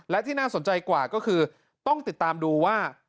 และที่น่าสนใจกว่าก็คือต้องติดตามดูว่า